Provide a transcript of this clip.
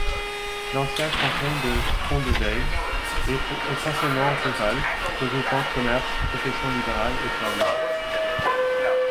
L'ancien canton de Pont-de-Veyle est essentiellement rural, regroupant commerces, professions libérales et services.